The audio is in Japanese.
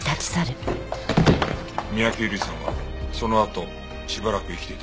三宅由莉さんはそのあとしばらく生きていたんだ。